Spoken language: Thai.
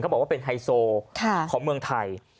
บอกว่าเป็นไฮโซของเมืองไทย